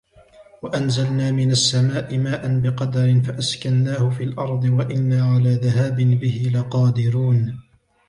وأنزلنا من السماء ماء بقدر فأسكناه في الأرض وإنا على ذهاب به لقادرون